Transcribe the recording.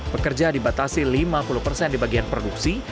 pekerja dibatasi lima puluh persen di bagian produksi